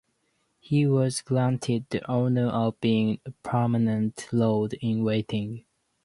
He was granted the honour of being a Permanent Lord in Waiting.